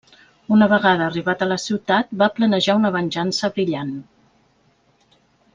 Una vegada arribat a la ciutat va planejar una venjança brillant.